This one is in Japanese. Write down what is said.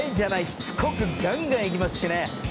しつこくガンガン行きますしね。